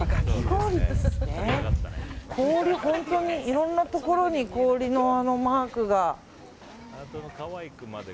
氷、本当にいろんなところに氷のマークが。